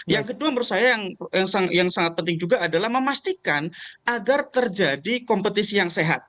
yang kedua menurut saya yang sangat penting juga adalah memastikan agar terjadi kompetisi yang sehat